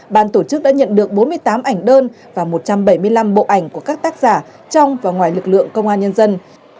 ban tổ chức đã nhận được bốn mươi tám ảnh đơn và một trăm bảy mươi năm bộ ảnh của các tác giả trong và ngoài lực lượng công an nhân dân